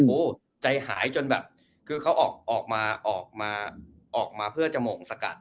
โอ้ใจหายจนแบบคือเค้าออกมาเพื่อจะโหมกสกัน